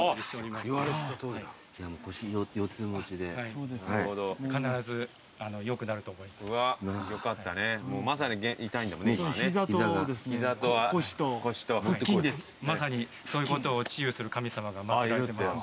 まさにそういうことを治癒する神様が祭られてますので。